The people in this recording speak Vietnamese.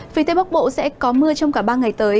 phía tây bắc bộ sẽ có mưa trong cả ba ngày tới